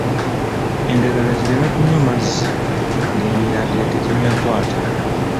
Endagala zireme kunywa mazzi ng’emirandira teginnakwata.